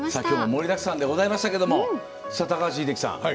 きょうも盛りだくさんでございましたけど高橋英樹さん